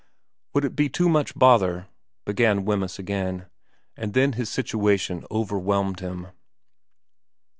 ' Would it be much bother began Wemyss again ; and then his situation overwhelmed him.